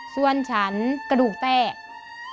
ส่วนฉันกระดูกแตก